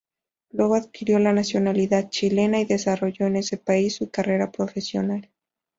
Luego adquirió la nacionalidad chilena y desarrolló en ese país su carrera profesional.